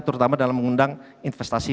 terutama dalam mengundang investasi